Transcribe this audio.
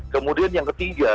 kemudian yang ketiga